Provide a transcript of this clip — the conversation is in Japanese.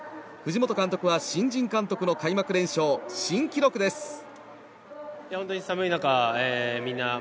藤本監督は新人監督の開幕連勝新記録です。